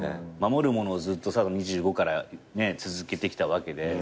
守るものをずっと２５から続けてきたわけで。